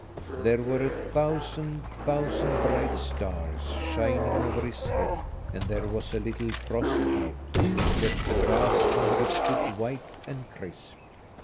There were a thousand thousand bright stars shining over his head, and there was a little frost out, which left the grass under his foot white and crisp.